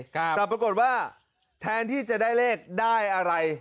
แต่ปรากฏว่าแทนที่จะได้เลขได้อะไร